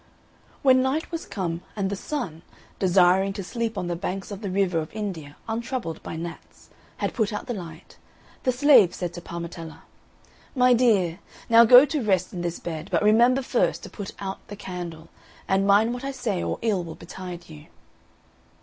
When night was come, and the Sun desiring to sleep on the banks of the river of India untroubled by gnats had put out the light, the Slave said to Parmetella, "My dear, now go to rest in this bed; but remember first to put out the candle, and mind what I say, or ill will betide you."